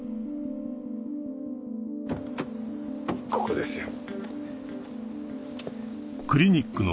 ここですよ。